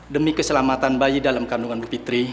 demi keselamatan bayi dalam kandungan bu fitri